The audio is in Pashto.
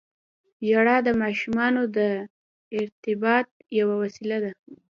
• ژړا د ماشومانو د ارتباط یوه وسیله ده.